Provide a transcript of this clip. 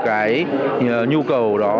cái nhu cầu đó